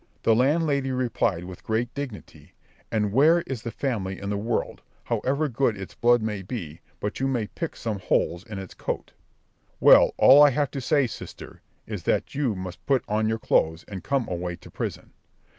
The landlady replied with great dignity, "And where is the family in the world, however good its blood may be, but you may pick some holes in its coat?" "Well, all I have to say, sister, is, that you must put on your clothes, and come away to prison."